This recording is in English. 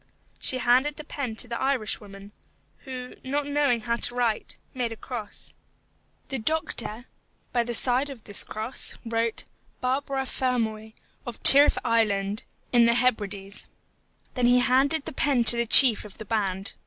She handed the pen to the Irish woman, who, not knowing how to write, made a cross. The doctor, by the side of this cross, wrote, BARBARA FERMOY, of Tyrrif Island, in the Hebrides. Then he handed the pen to the chief of the band.